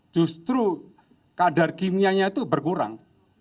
justru kadar kimianya itu berkurang